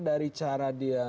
dari cara dia